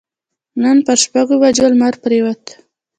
نن پر شپږ بجو لمر پرېوت.